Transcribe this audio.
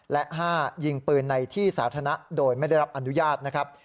และ๕ยิงปืนในที่สาธารณะโดยไม่ได้รับอนุญาตนะครับ